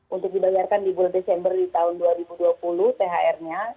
untuk dibayarkan di bulan desember di tahun dua ribu dua puluh thr nya